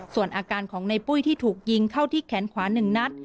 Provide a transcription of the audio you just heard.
ส่วนอาการของในปุ้ยที่ถูกยิงเข้าที่แขนขวา๑นัด